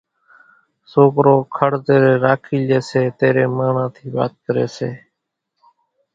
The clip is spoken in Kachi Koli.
سوڪرو کڙ زيرين راکي لئي سي تيرين ماڻۿان ٿِي وات ڪري سي